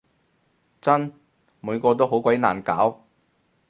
真！每個都好鬼難搞